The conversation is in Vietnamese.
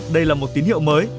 đây là một tín hiệu mới